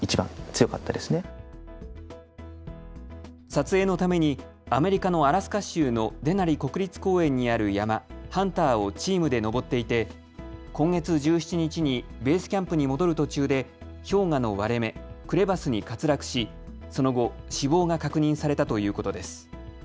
撮影のためにアメリカのアラスカ州のデナリ国立公園にある山、ハンターをチームで登っていて今月１７日にベースキャンプに戻る途中で氷河の割れ目、クレバスに滑落しその後、死亡が確認されたということです。